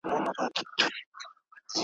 چي پر شرع او قانون ده برابره ,